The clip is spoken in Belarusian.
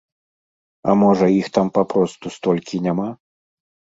А можа, іх там папросту столькі няма?